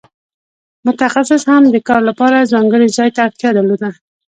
متخصص هم د کار لپاره ځانګړي ځای ته اړتیا درلوده.